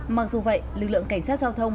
mặc dù vậy lực lượng cảnh sát giao thông